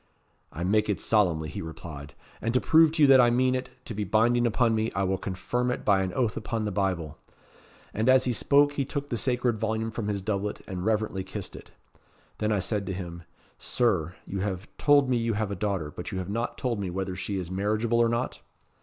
'I make it solemnly,' he replied. 'And to prove to you that I mean it to be binding upon me, I will confirm it by an oath upon the Bible.' And as he spoke he took the sacred volume from his doublet, and reverently kissed it. Then I said to him 'Sir, you have told me you have a daughter, but you have not told me whether she is marriageable or not?'